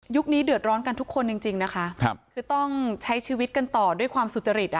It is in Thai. นี้เดือดร้อนกันทุกคนจริงจริงนะคะคือต้องใช้ชีวิตกันต่อด้วยความสุจริต